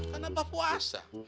kan abah puasa